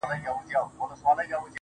زه او زما ورته ياران.